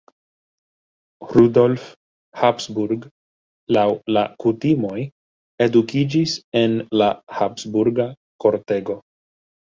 Rudolf Habsburg laŭ la kutimoj edukiĝis en la Habsburga kortego.